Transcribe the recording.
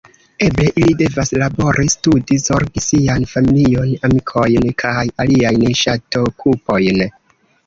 Eble ili devas labori, studi, zorgi sian familion, amikojn kaj aliajn ŝatokupojn.